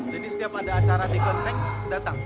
jadi setiap ada acara di klenteng datang